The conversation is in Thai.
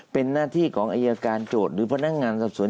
เป็นหน้าที่ของอายการโจทย์หรือพนักงานสอบสวน